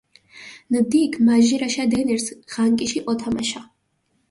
ნდიქჷ მაჟირაშა დენირზ ღანკიში ჸოთამაშა.